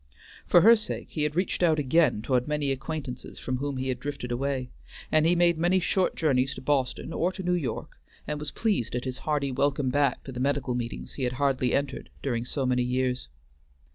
For her sake he had reached out again toward many acquaintances from whom he had drifted away, and he made many short journeys to Boston or to New York, and was pleased at his hearty welcome back to the medical meetings he had hardly entered during so many years.